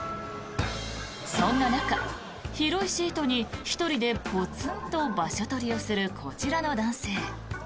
そんな中、広いシートに１人でポツンと場所取りするこちらの男性。